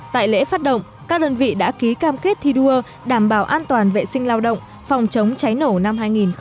tại lễ phát động các đơn vị đã ký cam kết thi đua đảm bảo an toàn vệ sinh lao động phòng chống cháy nổ năm hai nghìn một mươi chín